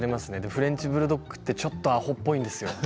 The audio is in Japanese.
フレンチブルドッグってちょっとあほっぽいんですよ。